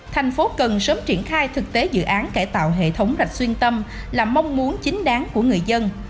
thành phố cần sớm triển khai thực tế dự án cải tạo hệ thống rạch xuyên tâm là mong muốn chính đáng của người dân